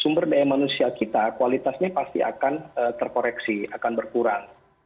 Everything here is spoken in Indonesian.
sumber daya manusia kita kualitasnya pasti akan terkoreksi akan berkurang